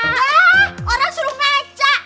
hah orang suruh ngaca